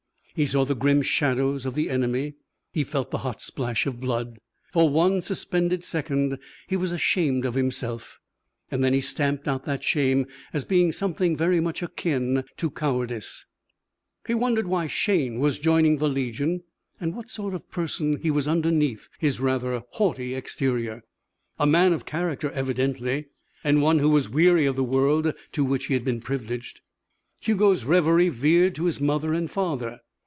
He saw the grim shadows of the enemy. He felt the hot splash of blood. For one suspended second he was ashamed of himself, and then he stamped out that shame as being something very much akin to cowardice. He wondered why Shayne was joining the Legion and what sort of person he was underneath his rather haughty exterior. A man of character, evidently, and one who was weary of the world to which he had been privileged. Hugo's reverie veered to his mother and father.